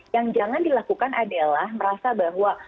yang jangan dilakukan adalah merasa bahwa